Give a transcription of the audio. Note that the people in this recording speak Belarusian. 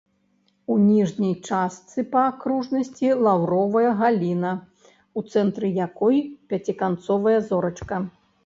У ніжняй частцы па акружнасці лаўровая галіна, у цэнтры якой пяціканцовая зорачка.